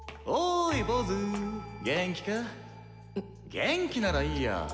元気ならいいや。